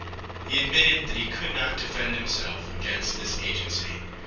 He admitted that he could not defend himself against this agency.